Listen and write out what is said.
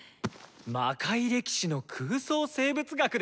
「魔界歴史の空想生物学」ですね！